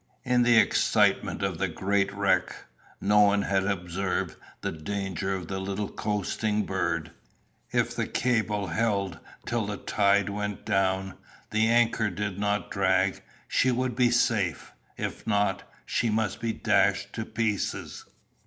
In the excitement of the great wreck, no one had observed the danger of the little coasting bird. If the cable held till the tide went down, and the anchor did not drag, she would be safe; if not, she must be dashed to pieces.